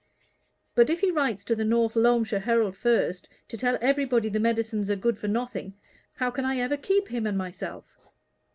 But if he writes to the North Loamshire Herald first, to tell everybody the medicines are good for nothing, how can I ever keep him and myself?"